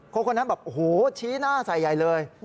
คนนั้นแบบโหชี้หน้าสายใหญ่เลย